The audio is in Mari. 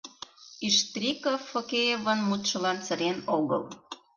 Иштриков Фокеевын мутшылан сырен огыл.